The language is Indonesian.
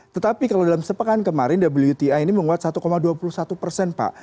tetapi kalau dalam sepekan kemarin wti ini menguat satu dua puluh satu persen pak